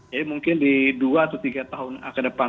jadi mungkin di dua atau tiga tahun ke depan